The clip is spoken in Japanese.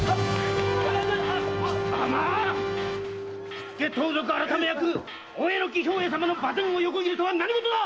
火付盗賊改役・大榎兵衛様の馬前を横切るとは何ごとだ！